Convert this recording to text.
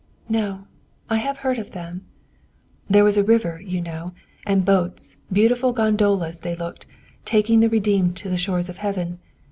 "No. I have heard of them." "There was a river, you know, and boats, beautiful gondolas they looked, taking the redeemed to the shores of Heaven.